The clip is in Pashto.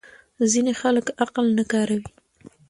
ځینې خلک عقل نه کاروي.